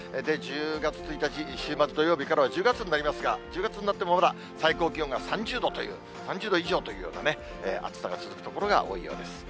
１０月１日、週末土曜日からは１０月になりますが、１０月になっても、まだ最高気温が３０度という、３０度以上というようなね、暑さが続く所が多いようです。